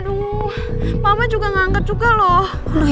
aduh mama juga gak angkat juga loh